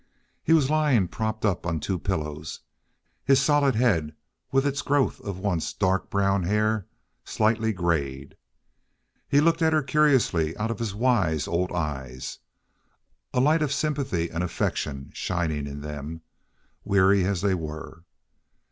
He was lying propped up on two pillows, his solid head with its growth of once dark brown hair slightly grayed. He looked at her curiously out of his wise old eyes, a light of sympathy and affection shining in them—weary as they were.